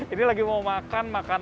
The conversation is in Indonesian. ini lagi mau makan makan